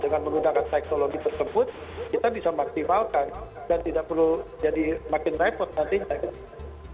dengan menggunakan teknologi tersebut kita bisa maksimalkan dan tidak perlu jadi makin repot nantinya gitu